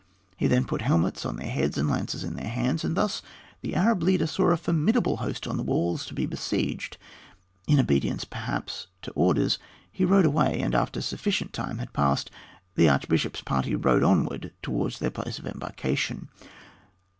He then put helmets on their heads and lances in their hands, and thus the Arab leader saw a formidable host on the walls to be besieged. In obedience, perhaps, to orders, he rode away and after sufficient time had passed, the archbishop's party rode onward towards their place of embarkation.